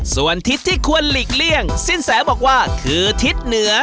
ส่วนทิศที่ควรหลีกเลี่ยงสินแสบอกว่าคือทิศเหนือ